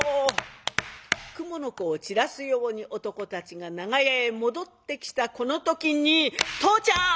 くもの子を散らすように男たちが長屋へ戻ってきたこの時に「父ちゃん！」。